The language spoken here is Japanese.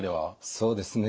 そうですね。